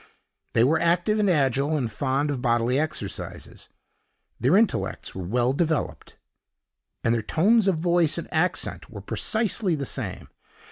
They were active and agile, and fond of bodily exercises; their intellects were well developed, and their tones of voice and accent were precisely the same.